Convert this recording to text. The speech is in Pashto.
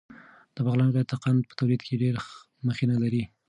د بغلان ولایت د قند په تولید کې ډېره مخینه لري.